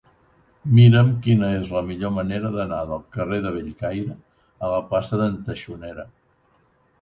Mira'm quina és la millor manera d'anar del carrer de Bellcaire a la plaça d'en Taxonera.